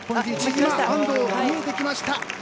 安藤、見えてきました。